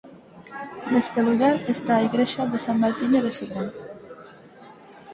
Neste lugar está a igrexa de San Martiño de Sobrán.